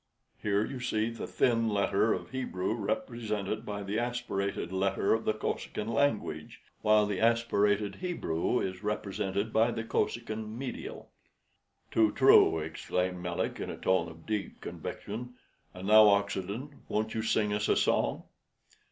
Here you see the thin letter of Hebrew represented by the aspirated letter of the Kosekin language, while the aspirated Hebrew is represented by the Kosekin medial." "Too true," exclaimed Melick, in a tone of deep conviction; "and now, Oxenden, won't you sing us a song?"